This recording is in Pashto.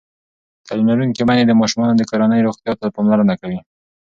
تعلیم لرونکې میندې د ماشومانو د کورنۍ روغتیا ته پاملرنه کوي.